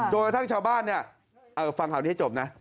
โดยทั้งชาวบ้านฟังข่าวนี้ให้จบนะ